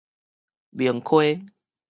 明溪